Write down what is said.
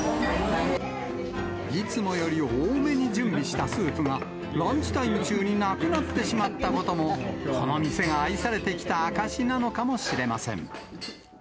いつもより多めに準備したスープが、ランチタイム中になくなってしまったことも、この店が愛されてきた証しなのかもしれません。